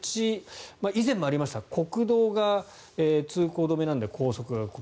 以前もありました国道が通行止めなんで高速が混む。